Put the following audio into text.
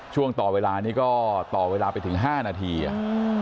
ช่วงต่อเวลานี้ก็ต่อเวลาไปถึงห้านาทีอ่ะอืม